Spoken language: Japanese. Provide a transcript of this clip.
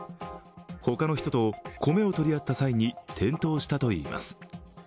他の人と米を取り合った際に転倒したといいます。